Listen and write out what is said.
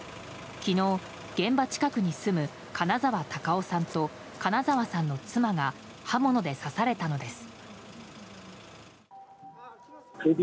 昨日、現場近くに住む金沢孝雄さんと金沢さんの妻が刃物で刺されたのです。